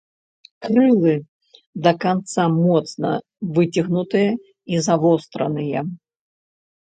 Крылы да канца моцна выцягнутыя і завостраныя.